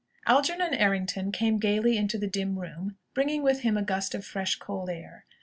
Algernon Errington came gaily into the dim room bringing with him a gust of fresh, cold air.